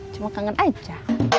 cuma kangen aja